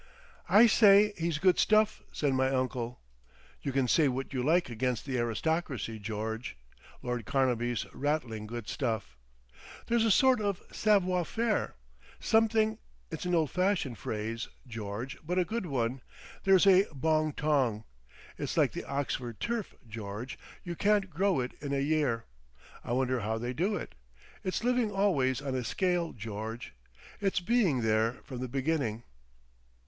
"I say he's good stuff," said my uncle. "You can say what you like against the aristocracy, George; Lord Carnaby's rattling good stuff. There's a sort of Savoir Faire, something—it's an old fashioned phrase, George, but a good one there's a Bong Tong.... It's like the Oxford turf, George, you can't grow it in a year. I wonder how they do it. It's living always on a Scale, George. It's being there from the beginning."...